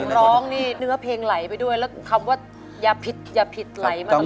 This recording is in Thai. ระหว่างร้องนี่เนื้อเพลงไหลไปด้วยแล้วคำว่าอย่าผิดอย่าผิดไหลมาตลอดไหมคะ